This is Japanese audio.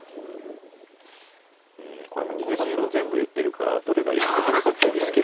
うんこれも逃げ場所全部言ってるからどれがいいのか分かんないですけど。